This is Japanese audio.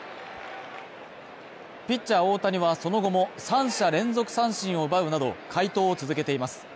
ピッチャー大谷はその後も３者連続三振を奪うなど快投を続けています。